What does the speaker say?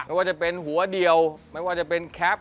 ไม่ว่าจะเป็นหัวเดียวไม่ว่าจะเป็นแคป